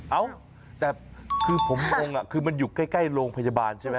เอ้าแต่คือผมงงคือมันอยู่ใกล้โรงพยาบาลใช่ไหม